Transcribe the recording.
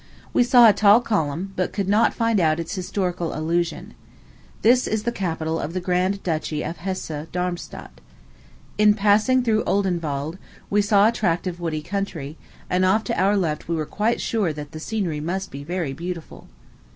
We saw a tall column, but could not find out its historical allusion. This is the capital of the grand duchy of Hesse Darmstadt. In passing through Odenwald, we saw a tract of woody country; and off to our left we were quite sure that the scenery must be very beautiful.